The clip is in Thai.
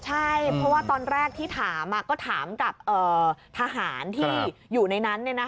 ใช่เพราะว่าตอนแรกที่ถามก็ถามกับทหารที่อยู่ในนั้น